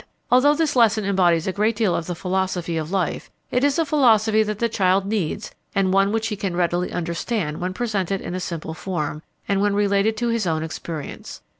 Although this lesson embodies a great deal of the philosophy of life, it is a philosophy that the child needs and one which he can readily understand when presented in a simple form, and when related to his own experience.